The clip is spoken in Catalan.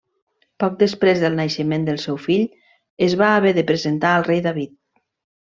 Poc després del naixement del seu fill, es va haver de presentar al rei David.